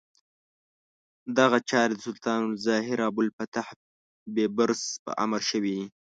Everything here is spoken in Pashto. دغه چارې د سلطان الظاهر ابوالفتح بیبرس په امر شوې دي.